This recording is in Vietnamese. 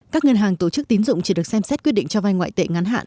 các ngân hàng tổ chức tín dụng chỉ được xem xét quyết định cho vay ngoại tệ ngắn hạn